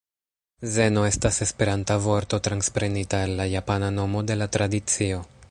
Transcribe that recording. Zeno estas esperanta vorto transprenita el la japana nomo de la tradicio.